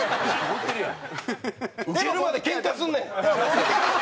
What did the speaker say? ウケるまでケンカすんねん！